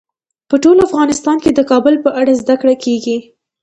په ټول افغانستان کې د کابل په اړه زده کړه کېږي.